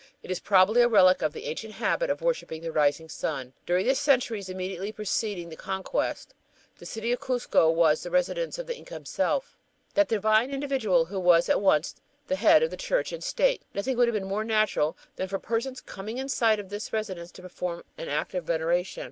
It is probably a relic of the ancient habit of worshiping the rising sun. During the centuries immediately preceding the conquest, the city of Cuzco was the residence of the Inca himself, that divine individual who was at once the head of Church and State. Nothing would have been more natural than for persons coming in sight of his residence to perform an act of veneration.